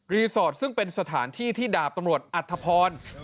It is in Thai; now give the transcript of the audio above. ซึ่งเป็นสถานที่ที่ดาบตำรวจอัธพร